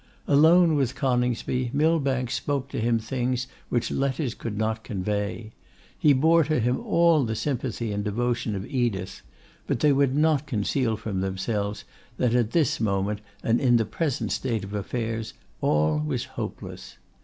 Alone with Coningsby, Millbank spoke to him things which letters could not convey. He bore to him all the sympathy and devotion of Edith; but they would not conceal from themselves that, at this moment, and in the present state of affairs, all was hopeless.